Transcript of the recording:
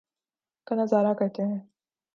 کا نظارہ کرتے ہیں